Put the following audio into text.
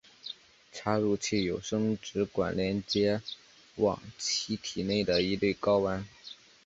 插入器有生殖管连接往其体内的一对睾丸。